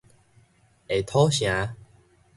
下土城